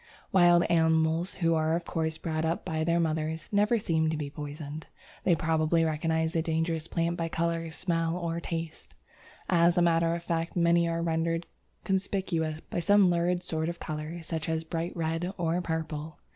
Wild animals, who are of course brought up by their mothers, never seem to be poisoned. They probably recognize the dangerous plant by colour, smell, or taste. As a matter of fact, many are rendered conspicuous by some lurid sort of colour, such as bright red or purple.